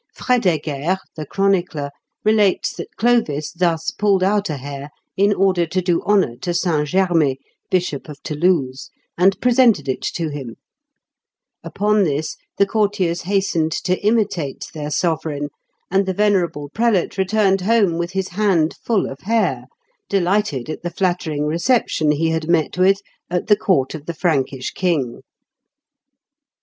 Frédégaire, the chronicler, relates that Clovis thus pulled out a hair in order to do honour to St. Germer, Bishop of Toulouse, and presented it to him; upon this, the courtiers hastened to imitate their sovereign, and the venerable prelate returned home with his hand full of hair, delighted at the flattering reception he had met with at the court of the Frankish king.